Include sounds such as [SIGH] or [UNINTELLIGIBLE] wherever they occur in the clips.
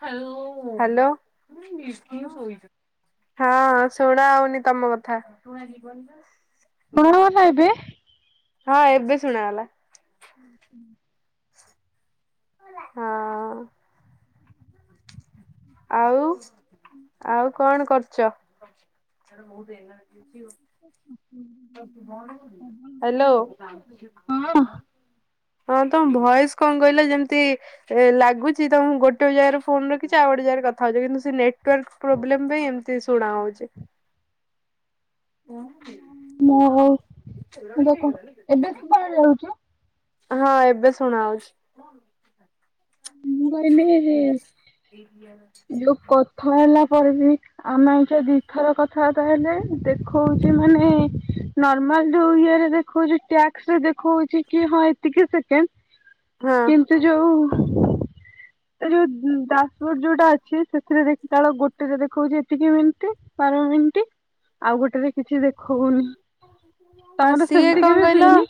Hello. [UNINTELLIGIBLE] ହଁ ଶୋଇନୁ। ହଁ, ଶୁଣା ହଉନି ତମ କଥା। କଣ ହେଲା ଏବେ? ହଁ ଏବେ ଶୁଣାଗଲା। [INAUDIBLE] ହଁ। ଆଉ ଆଉ କଣ କରୁଛ? [INAUDIBLE] ହ୍ୟାଲୋ। [UNINTELLIGIBLE] ହଁ ତମ ଭଏସ କଣ କହିଲ ଯେମତି ଏ ଲାଗୁଛି ତମେ ଗୋଟେ ଜାଗାରେ ଫୋନ ରଖିଚ ଆଉ ଗୋଟେ ଜାଗାରେ କଥା ହଉଚ। କିନ୍ତୁ ସେ ନେଟୱାର୍କ ପ୍ରୋବ୍ଲେମ ପାଇଁ ଏମତି ଶୁଣା ହଉଚି। ମୋ ହଉ। ଏବେ ଶୁଭା ଯାଉଚୁ? ହଁ ଏବେ ଶୁଣା ଯାଉଚି। ମୁଁ କହିଲି [UNINTELLIGIBLE] [UNINTELLIGIBLE] ହେଲା ପରେ ବି ଆମେ ଆକଚୁଆଲି ଦିଥର କଥାବାର୍ତ୍ତା ହେଲେ ଦେଖଉଛି ମାନେ ନର୍ମାଲ ଯୋଉ ଇରେ ଦେଖଉଛି ଟାସ୍କ ରେ ଦେଖଉଚି କି ହଁ ଏତିକି ସେକେଣ୍ଡ ଚୁ କିନ୍ତୁ ଯୋଉ ଏ ଯୋଉ ଦାସବୋର୍ଡ ଯୋଉଟା ଅଛି ସେଥିରେ ଦେଖିଲାବେଳେ ଗୋଟେ ରେ ଦେଖାଉଛି ଏତିକି ମିନିଟ୍। ଚାରି ମିନିଟି ଆଉ ଗୋଟେରେ କିଛି ଦେ ହଉନି। ଆଉ ତମର ସିଏ ସେମିତି କଣ କେବେ କହିଲ ହୁଏନି?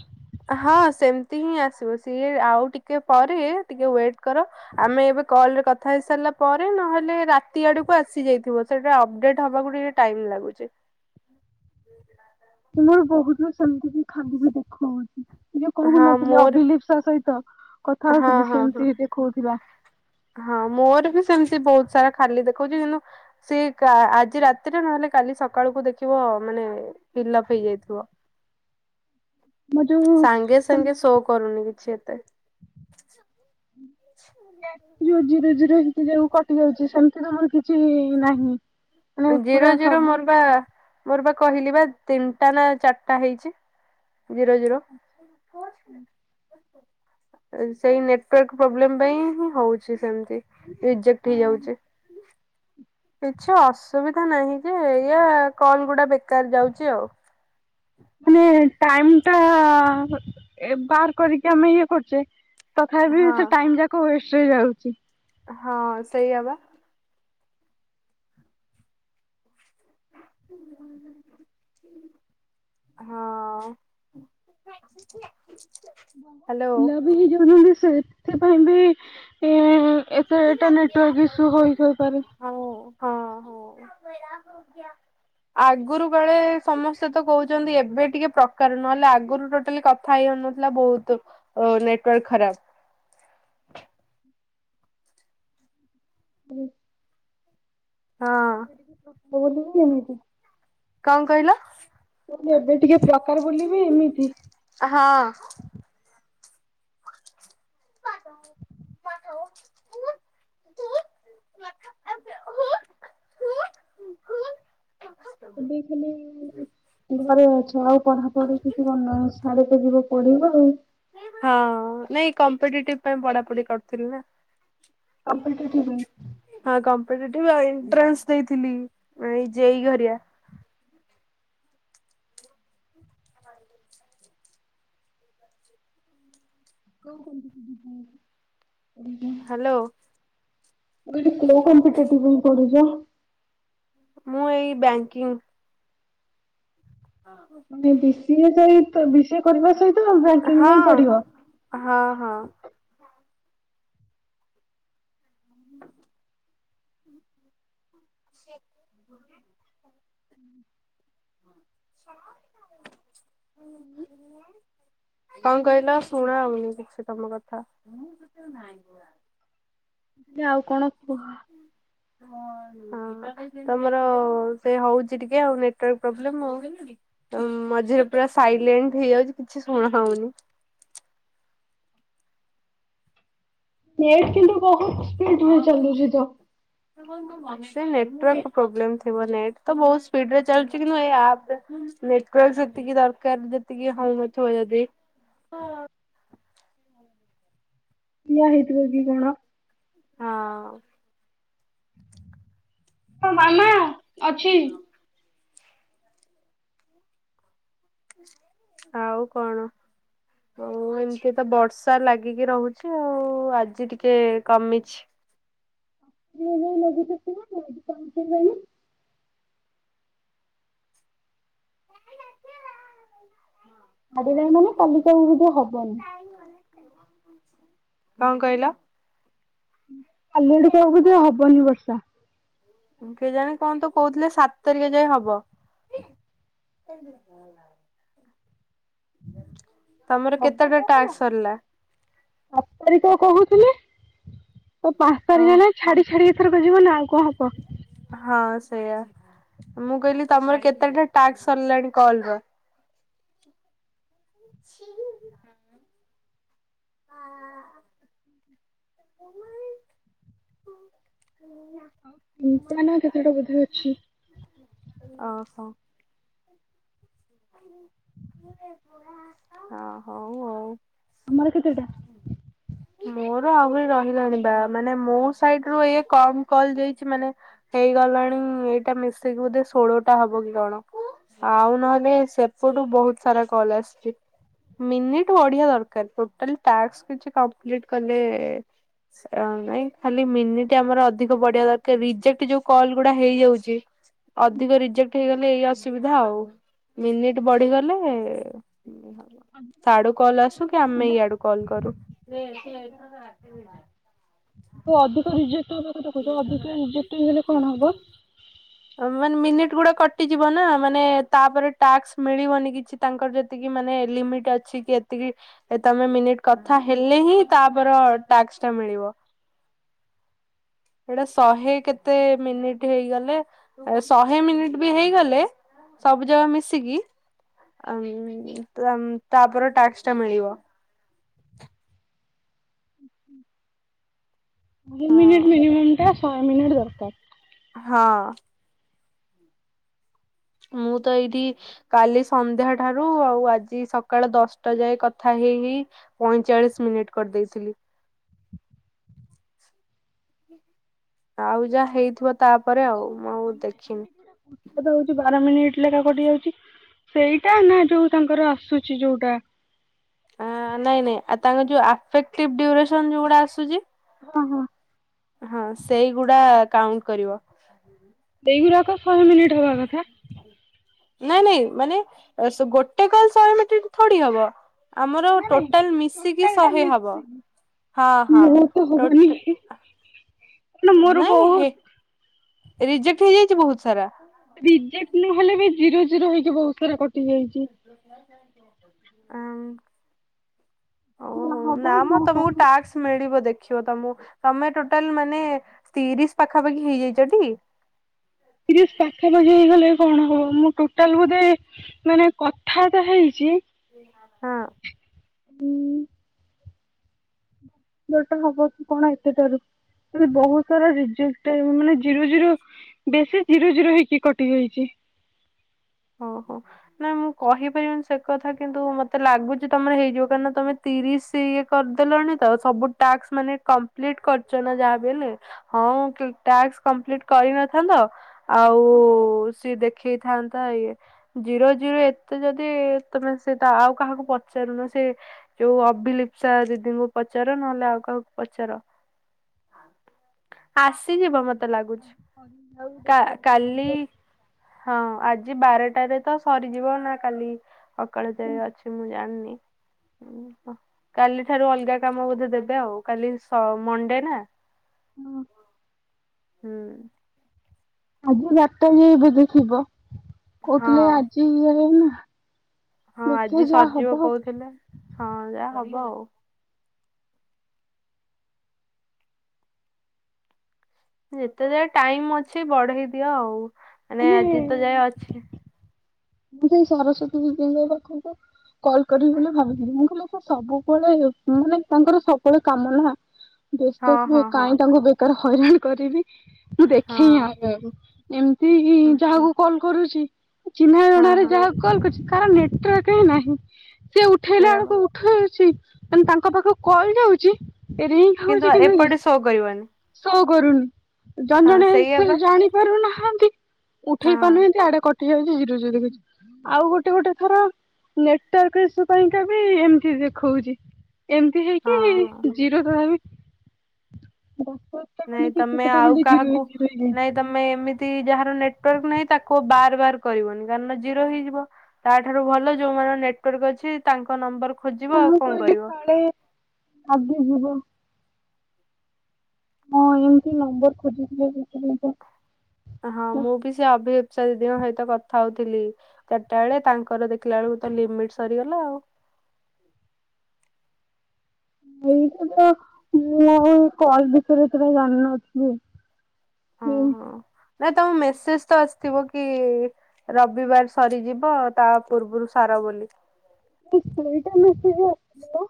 ହଁ ସେମିତି ହିଁ ଆସିବ। ସିଏ ଆଉ ଟିକେ ପରେ ଟିକେ ୱେଟ କର ଆମେ ଏବେ କଲ୍ ରେ କଥା ହେଇ ସାରିଲା ପରେ ନହେଲେ ରାତି ଆଡକୁ ଆସିଯାଇଥିବ। ସେଟା ଅପଡେଟ ହବାକୁ ଟିକେ ଟାଇମ୍ ଲାଗୁଛି। [UNINTELLIGIBLE] ମୋର ବହୁତ ସେମିତି ହିଁ ଖାଲି ବି ଦେଖଉଚି। ଇଏ ହଁ କହୁନଥିଲି ମୋର ଅଭିଲିପ୍ସା ସହିତ କଥା ହଁ ହଉଥିଲି ହଁ ହଁ ସେମିତି ହିଁ ଦେଖଉଥିଲା। ହଁ ମୋର ବି ସେମିତି ବହୁତ ସାରା ଖାଲି ଦେଖଉଚି କିନ୍ତୁ ସେ ଆଜି ରାତିରେ ନହେଲେ କାଲି ସକାଳକୁ ଦେଖିବ ମାନେ ଫିଲପ୍ ହେଇ ଯାଇଥିବ। ମୋ ଯୋଉ ସାଙ୍ଗେ ମାନେ ସାଙ୍ଗେ ସୋ କରୁନି କିଛି ଏତେ। ଜିରୋ ଜିରୋ ସେମତି ଯୋଉ କଟି ଯାଉଚି, ସେମିତି ତ ମୋର କିଛି ନାହିଁ। ମାନେ ପୁରା ଜିରୋ ଜିରୋ ସବୁ ମୋର ପା ମୋର ପା କହିଲି ବା ତିନିଟା ନା ଚାରିଟା ହେଇଚି ଜିରୋ ଜିରୋ। [UNINTELLIGIBLE] ସେଇ ନେଟୱାର୍କ ପ୍ରୋବ୍ଲେମ ପାଇଁ ହିଁ ହଉଚି ସେମତି। ରିଜେକ୍ଟ ହେଇଯାଉଚି। [UNINTELLIGIBLE] ସୁବିଧା ନାହିଁ ଯେ। ଏୟା କଲ୍ ଗୁଡା ବେକାର ଯାଉଚି ଆଉ। ମାନେ ଟାଇମ ଟା ଏ ବାହାର କରିକି ଆମେ ଇଏ କରୁଚେ ତଥାପି ହଁ ସେ ଟାଇମ ଯାକ ୱେଷ୍ଟ ରେ ଯାଉଚି। ହଁ, ସେଇଆ ବା। [INAUDIBLE] ହଁ। ହ୍ୟାଲୋ। ପିଲା ବି ହେଇଯାଉଛନ୍ତି ସେଥିପାଇଁ ବି ଏ ତ ଏଇଟା ନେଟୱାର୍କ ଇସ୍ୟୁ ହେଇ ହେଇପାରେ। ହଉ ହଁ ହଉ। ଆଗରୁ ବେଳେ ସମସ୍ତେ ତ କହୁଛନ୍ତି ଏବେ ଟିକେ ପ୍ରକାର ନହେଲେ ଆଗରୁ ଟୋଟାଲି କ କଥା ହେଇ ହୋଉନଥିଲା ବୋହୁତ ନେଟୱାର୍କ ଖରାପ ହଁ। [UNINTELLIGIBLE] କଣ କହିଲ? ମୁଁ କହିଲି ଏବେ ଟିକେ ପ୍ରକାର ବୋଲି ବି ଏମିତି। ହଁ। [UNINTELLIGIBLE] [INAUDIBLE] ଏବେ ଖାଲି ଘରେ ଅଛ। ଆଉ ପଢାପଢି କିଛି କରୁନ ସ୍ୟାଡେ [UNINTELLIGIBLE] ଯିବ ପଢ଼ିବ ଆଉ। ହଁ ନାଇଁ କମ୍ପିଟେଟିଭ ପାଇଁ ପଢାପଢି କରୁଥିଲି ନା। [UNINTELLIGIBLE] ହଁ କମ୍ପିଟେଟିଭ ଆଉ ଏଣ୍ଟ୍ରାନ୍ସ ଦେଇଥିଲି ଏଇ ଜେଇ ଘରିଆ। କୋଉ [INAUDIBLE] ହାଲୋ। ମୁଁ କହିଲି କୋଉ କମ୍ପିେଟେଟିଭ ପାଇଁ ପଢୁଚ? ମୁଁ ଏଇ ବ୍ୟାଙ୍କିଙ୍ଗ। ହଁ। ଆଜ୍ଞା ବିସିଏ ସହିତ ବିସିଏ କରିବା ସହିତ ବ୍ୟାଙ୍କିଙ୍ଗ ହଁ। ପାଇଁଁ ପଢିବ? ହଁ ହଁ। [INAUDIBLE] କଣ କହିଲ ଶୁଣା ଯାଉନି କିଛି ତମ କଥା। [UNINTELLIGIBLE] ଆଉ କଣ କୁହ? ହଁ। ହଁ ତମର ସେ ହୋଉଚି ଟିକେ ଆଉ ନେଟୱାର୍କ ପ୍ରୋବ୍ଲେମ ଆଉ। ଉଁ ମଝିରେ ପୁରା ସାଇଲେଣ୍ଟ ହେଇଯାଉଚି କିଛି ଶୁଣା ହୋଉନି। ନେଟ୍ କିନ୍ତୁ ବୋହୁତ୍ ସ୍ପିଡ୍ ରେ ଚାଲୁଚି ତ। [UNINTELLIGIBLE] ସେ ନେଟାର୍କ ପ୍ରୋବ୍ଲେମ ଥିବ। ନେଟ୍ ତ ବହୁତ ସ୍ପିଡ୍ ରେ ଚାଲୁଚି କିନ୍ତୁ ଏଇ ଆପ୍ ରେ ନେଟୱାର୍କ ସେତିକି ଦରକାର ଯେତିକି ହୋଉ ନଥିବ ଯଦି। ଠିଆ ହେଇଥିବ କି କଣ। ହଁ। ହଁ ଭଲ ଅଛି। ଆଉ କଣ? ଆଉ ଏମିତି ତ ବର୍ଷା ଲାଗିକି ରହୁଚି ଆଉ ଆଜି ଟିକେ କମିଚି। [UNINTELLIGIBLE] ଆଜି ନାହିଁ ମାନେ କାଲିକି ଆଉ ସୁଦୁର ହବନି। କଣ କହିଲ? କାଲି ଆଡକୁ ଆଉ ବୋଧେ ହବନି ବର୍ଷା। କେଜାଣି କଣ ତ କୋଉଥିଲେ ସାତ ତାରିଖେ ଯାଏଁ ହବ। ତମର କେତେଟା ଟାସ୍କ ସରିଲା? ଆଠ୍ ତାରିଖ କୋହୁଥିଲେ ତ ପାଞ୍ଚ ଓ ତାରିଖ ହେଲାଣି। ଛାଡି ଛାଡି ଏଥରକ ଯିବ ନା ଆଉ କଣ ହବ। ହଁ ସେଇୟା। ମୁଁ କହିଲି ତମର କେତେଟା ଟାକ୍ସ ସରିଲାଣି କଲର? ହଁ। ଆ [UNINTELLIGIBLE] ଆଉ ତିନଟା ନା କେତେଟା ବୋଧେ ଅଛି। ଓହୋ। ହଁ ହଉ ଆଉ। ତମର କେତେଟା? ମୋର ଆହୁରି ରହିଲାଣି ବା ମାନେ ମୋ ସାଇଡ୍ ରୁ ଏୟା କମ କଲ ଯାଇଛି, ମ୍ୟାଡ଼ମ। ହେଇଗଲାଣି-ଇ-ଇ ଏଇଟା ମିଶେଇକି ବୋଧେ ଷୋଳଟା ହବ କି କଣ। ଆଉ ନହେଲେ ସେପଟୁ ବହୁତ ସାରା କଲ ଆସିଛି। ମିନିଟ୍ ବଢିଆ ଦରକାର। ଟ୍ଟୋଟାଲି ଟାସ୍କ୍ କିଛି କମ୍ପ୍ଲିଟ କଲେ-ଏ-ଏ ଅ ନାଇଁ ଖାଲି ମିନିଟ୍ ଟ୍ ଆମର ଅଧିକ ବଢିଆ ଦରକାର ରିଜେକ୍ଟ ଯୋଉ କଲ୍ ଗୁଡା ହେଇଯାଉଛି। ଅଧିକ ରିଜେକ୍ଟ ହେଇଗଲେ ଏଇ ଅସ୍ ଅସୁବିଧା ଆଉ। ମିନିଟ ବଢିଗଲେ-ଏ-ଏ ସିଆଡ଼ୁ କଲ କିନ୍ତୁ ଆମେ ଇଆଡୁ କଲ୍ କରୁ। ହ ଅଧିକ ରିଜେକ୍ଟ [UNINTELLIGIBLE] ଅଧିକ ରିଜେକ୍ଟ ହେଇଗଲେ କଣ ହବ? ମାନେ ମିନିଟି ଗୁଡା କଟିଯିବ ନା ମାନେ ତାପରେ ଟାକ୍କ ମିଳିବନି କିଛି। ତାଙ୍କର ଯେତିକି ମାନେ ଲିମିଟ୍ ଅଛି କି ଏତିକି ଏ ତମେ ମିନିଟ କଥା ହେଲେ ହିଁ ତାପର ଟ୍ୟାକ୍ସ ଟା ମିଳିବ। ଏଇଟା ଶହେ କେତେ ମିନିଟ୍ ହେଇଗଲେ ଶହେ ମିନିଟ୍ ବି ହେଇଗଲେ ସବୁ ଜାକ ମିଶିକି ଅ-ଅ-ଅ ତା ତାପର ଟାକ୍ସ ଟା ମିଳିବ। ଦୁଇ ହଁ ମିନିଟ୍ ମିନିମମ୍ ଟା ଶହେ ମିନିଟ୍ ଦରକାର। ହଁ, ମୁଁ ତ ଇଏଇଠି କାଲି ସନ୍ଧ୍ୟା ଠାରୁ ଆଉ ଆଜି ସକାଳ ଦଶଟା ଯାଏ କଥା ହେଇ ହେଇ ପଇଁଚାଳିଶ ମିନିଟ୍ କରିଦେଇଥିଲି। ଆଉ ଯାହା ହେଇଥିବ ତାପରେ ଆଉ। ମୁଁ ଆଉ ଦେଖିନି କେତେବେଳେ ହଉଛି ବାର ମିନିଟ୍ ଲେଖା କଟି ଯାଉଛି। ସେଇଟା ନା ଯୋଉ ତାଙ୍କର ଆସୁଛି ଯୋଉଟା ଅ-ଅ-ଅ ନାଇଁ ନାଇଁ ଆଉ ତାଙ୍କ ଯୋଉ ଆଫେକ୍ଟିଭ ଡ୍ୟୁରେସନ ଯୋଉ ଗୁଡା ଆସୁଛି ହଁ ହଁ, ହଁ ସେଇଗୁଡା କାଉଣ୍ଟ କରିବ। ହୁଁ ଏଗୁରାକ ଶହେ ମିନିଟ୍ ହବା କଥା? ନାଇଁ ନାଇଁ ମାନେ ସ ଗୋଟେ କଲ ଶହେ ମିନିଟ୍ ଥୋଡି ହବ। ଆମର ନାଇଁ ନାଇଁ ଟୋଟାଲ ମିଶିକି ଟୋଟାଲ ଟା ଶହେ ହବ। ମିଶିକି। ହଁ ହଁ ମୋ ତ ହବନି ଟୋଟା କାରଣ ମୋର ନାଇଁ ବହୁତ ହେ, ରିଜେକ୍ଟ ହେଇଯାଇଛି ବହୁତ ସାରା। ରିଜେକ୍ଟ ନହେଲେ ବି ଜିରୋ ଜିରୋ ହେଇକି ବହୁତ ସାରା କଟି ଯାଇଛି। ଆ-ଆ-ମ୍ ଓହୋ ହବ ନା ମ ମୁଁ ତମକୁ କଣ ଟାକ୍ସ ମିଳିବ ଦେଖ ଦେଖିବ ତମୁ ତମେ ଟୋଟାଲ ମାନେ ତିରିଶ ପାଖାପାଖି ହେଇଯାଇଛଟି? ତିରିଶ ପାଖାପାଖି ହେଇଗଲେ କଣ ହବ ମୁଁ ଟୋଟାଲ ବୋଧେ ନାଇ ନାଇ କଥା ତ ହେଇଛି ହଁ, ଉ-ଉ, ବଟ୍ ହବ କି କଣ ଏତେ ଠାରୁ, ବହୁତ ସାରା ରିଜେକ୍ଟ ମାନେ ଜିରୋ ଜିରୋ ବେଶୀ ଜିରୋ ଜିରୋ ହେଇକି କଟି ଯାଇଛି। ଓହୋ ନାଇଁ ମୁଁ କହିପାରିବିନି ସେ କଥା କିନ୍ତୁ ମତେ ଲାଗୁଛି ତମର ହେଇଯିବ କାରଣ ତମେ ତିରିଶ ଇଏ କରିଦେଲଣି ତ ସବୁ ଟାକ୍ସ୍ ମାନେ କମ୍ପ୍ଲିଟ କରିଛ ନା ଯାହା ବି ହେଲେ। ହଁ ଉ କି ଟାକ୍ସ କମ୍ପ୍ଲିଟ କରିନଥାନ୍ତ ଆଉ-ଉ-ଉ-ଉ ସିଏ ଦେଖେଇଥା ଆନ୍ତା ଇଏ ଜିରୋ ଜିରୋ ଏତେ ଯଦି ତମେ ସେତା ଆଉ କାହାକୁ ପଚାରୁନ ସେ ଯୋଉ ଅଭିଲିପ୍ସା ଦିଦିଙ୍କୁ ପଚାର ନହେଲେ ଆଉ କାହାକୁ ପଚାର। ଆସିଯିବ ମତେ ଲାଗୁଛି। କା-କାଲି ହଁ ଆଜି ବାରଟାରେ ତ ସରିଯିବ। ନା କାଲି ସକାଳ ଯାଏ ଅଛି ମୁଁ ଜାଣିନି। କାଲି ଠାରୁ ଅଲଗା କାମ ବୋଧେ ଦେବେ? ଆଉ କାଲି ସ- ମଣ୍ଡେ ନା। ହୁଁ। ଆଜି ବାରଟା ଯାଏ ବୋଧେ ଥିବ। ହଁ କହୁଥିଲେ ଆଜି ଏଇନା ହଁ ଆଜି ସରିଯିବ କହୁଥିଲେ। ହଁ ଯାହା ହବ ଆଉ। ଯେତେ ଯାଏ ଟାଇମ୍ ଅଛି ବଢେଇ ଦିଅ। ଆଉ ମାନେ ଆଜି ତ ଯାଏ ଅଛି। ମୁଁ ସେଇ ସରସ୍ଵତୀ ବିଦ୍ୟାଳୟ ପାଖକୁ, କଲ୍ କରିବି ବୋଲି ଭାବୁଥିଲି ମୁଁ ସବୁବେଳେ ମାନେ ତାଙ୍କର ସବୁବେଳେ କାମନା, ହଁ ବ୍ୟସ୍ତ ଥିବେ ହଁ ହଁ କାହିଁ ତାଙ୍କୁ ହଇରାଣ କରିବି। ମୁଁ ଦେଖେଇ ହଁ ଆଗକୁ, ଏମିତି କି ହଁ ଯାହାକୁ କଲ୍ କରୁଛି। ହଁ ଚିହ୍ନାଜଣାରେ ହଁ ଯାହା କଲ୍ କରୁଛି। କାହାର ନେଟୟର୍କ ହିଁ ନାହିଁ, ସେ ଉଠେଇଲା ସେଇଆ ବା ବେଳକୁ ଉଠଉଛି ମାନେ ତାଙ୍କ ପାଖ କୁ କଲ ଯାଉଛି। ରିଙ୍ଗ କିନ୍ତୁ ଆ-ଏପଟେ ସୋ କରିବନି। ସୋ କରୁନି। ଜଣ ହଁ ଜଣେ ସେଇଆ ସେ ବା ଜାଣି ପାରୁନାହାନ୍ତି। ହଁ ଉଠେଇ ପାରୁନାହାନ୍ତି, ଆଡେ କଟି ଯାଉଛିିି ଜିରୋ ଜିରୋ ରହୁଛି। ଆଉ ଗୋଟେ ଗୋଟେ ଥର ନେଟୱାର୍କ ଇସୁ ପାଇଁକା ବି ଏମିତି ଦେଖଉଛି। ଏମିତି ହଁ ହଁ। ହେଇକି ଜିରୋ ରହେ ବି। ବାପା ନାଇଁ ତମେ ଆଉ କାହାକୁ, ନାଇଁ ତମେ ଏମିତି ଯାହାର ନେଟୱାର୍କ ନାହିଁ ତାକୁ ବାର ବାର କରିବନି। କାରଣ ଜିରୋ ହେଇଯିବ। ତାଠାରୁ ଭଲ ଯୋଉମାନଙ୍କର ନେଟୱାର୍କ ଅଛି ତାଙ୍କ ନମ୍ବର ଖୋଜିବ, ଆଉ କଣ କରିବ। ଆଗେ ଯିବ ହଁ ଏମତି ନମ୍ବର ଖୋଜିିବ [UNINTELLIGIBLE] ହଁ ମୁଁ ବି ସେ ଅଭିଇସ୍ପା ଦିଦିଙ୍କ ସହିତ କଥା ହଉଥିଲି। ଚାରିଟା ବେଳେ, ତାଙ୍କର ଦେଖିଲା ବେଳକୁ ତ ଲିମିଟ ସରିଗଲା ଆଉ। ଏଇଟା ତ ମୁଁ ଆଉ କଲ ବିଷୟରେଏତେଟା ଜାଣିନଥିଲି। ହଁ ହୁଁ। ହଁ। ନାଇଁ ତମ ମେସେଜ ତ ଆସିଥିବ କି ରବିବାର ସରିଯିବ ତା ପୂର୍ବରୁ ସାର ବୋଲି। ନି କେଇଟା ମେସେଜ ଆସି ଥିଲା?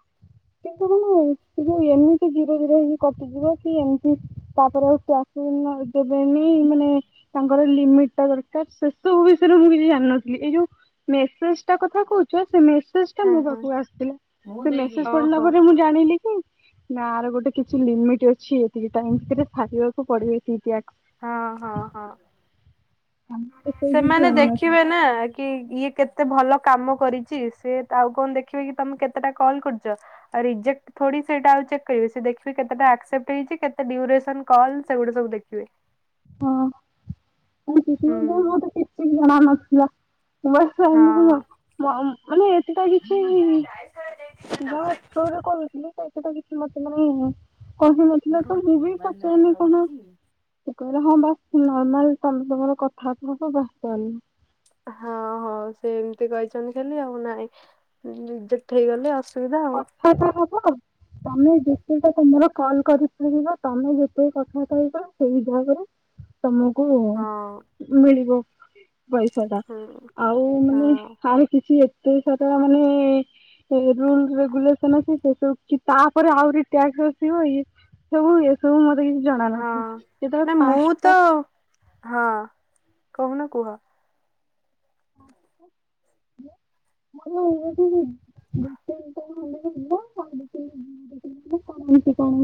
କିନ୍ତୁ ମାନେ ଯୋଉ ଏମିତି ଜିର ଜିର ହେଇକି କଟିଯିବ। କି ଏମିତି ତାପରେ ଆଉ ଟାସ୍କ ସୁନ ଦେବେନି ମାନେ ତାଙ୍କର ଲିମିଟ ଟା ଦରକାର। ସେ ସବୁ ବିଷୟରେ ମୁଁ କିଛି ଜାଣି ନଥିଲି ଏଇ ଯୋଉ ମେସେଜ ଟା କଥା କହୁଛ? ସେ ମେସେଜ ଟା ହଁ ମୋ ହଁ ପାଖକୁ ଆସିଥିଲା। ସେ ମେସେଜ ପଢିଲା ଓହୋ ପରେ ମୁ ଜାଣିଲି କି ନା ଆର ଗୋଟେ କିଛି ଲିମିଟ୍ ଅଛି। ଏତିକି ଟାଇମ ଭିତରେ ସାରିବାକୁ ପଡ଼େ ଟାସ୍କ ହଁ ହଁ ହଁ। ଆମେ ତ ସେଇ କିଛି ସେମାନେ ଜାଣିନଥିଲୁ ଦେଖିବେ ନା। କି, ଇଏ କେତେ ଭଲ କାମ କରିଛି। ସେଏ ଆଉ କଣ ଦେଖିବେ କି ତମେ କେତେଟା କଲ୍ କରୁଛ? ରିଜେକ୍ଟ ଥୋଡ଼ି ସେଟା ଆ ଚେକ୍ କରିବେ? ସେ ଦେଖିବେ କେତେଟା ଆସେପ୍ଟ ହୋଇଛି, କେତେ ଡ୍ୟୁରେକ୍ସନ କଲ ସେଗୁଡ଼ା ସେ ଦେଖିବେ। ହଁ, କି ହୁଁ ମତେ କି ଜଣ ନଥିଲା। ମାନେ ଏମିତି ନୁହଁ ହଁ। ମାନେ ଏଟା କିଛି [UNINTELLIGIBLE] ଯାୋରେ କହୁଥିଲଥିଲେ [UNINTELLIGIBLE] ଏତ ତ କିଛି ମତେ ମାନେ କହିନଥିଲା। ତ ମୁଁ ବି ପଚେଇନି କଣ? କହିଲେ ହଁ ବାସି ନର୍ମାଲ ତମେ ତମର କଥାବାର୍ତ୍ତା ଦସ ମିନିଟ୍। ହଁ ହଉ ସେ ଏମତି କହିଛନ୍ତି ଖାଲି ନାଇଁ, ରିଯେକ୍ଟ ହେଇଗଲେ ଆଉ ପିଇବା ଆଉ। ହବ ହବ। ତମେ ଯେତେଟା ତମର କଲ କରିପାରିବ ତମେ ଯେତେ କଥା କହିବ ସେଇ ହି ଭାବରେ। [INAUDIBLE] ତମକୁ ହଁ। ମିଳିବ ପଇସା ଟା। ହୁଁ। ଆଉ ହଁ ମାନେ ଆର କିଛି ଏତେ ସାରା ମାନେ ରୁଲ ରେଗୁଲେସନ ସେବୁକିଛି ତାପରେ ଆହୁରି ଟକ୍ସ ଆସିବ ଇଏ ସବୁ ଏସବୁ ମତେ କିଛି ହଁ ଜଣାନାହି। ନା ମୁଁ ତ ହଁ କହୁନ କୁହ। ହ [INAUDIBLE] [UNINTELLIGIBLE] [INAUDIBLE] କ କଣ ଆଛି କଣ?